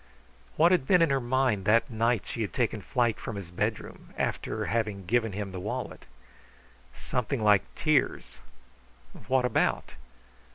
] What had been in her mind that night she had taken flight from his bedroom, after having given him the wallet? Something like tears. What about?